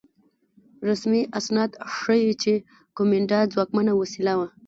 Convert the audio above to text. رسمي اسناد ښيي چې کومېنډا ځواکمنه وسیله وه.